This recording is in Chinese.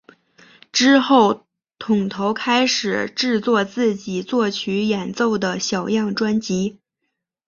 之后桶头开始制作自己作曲演奏的小样专辑。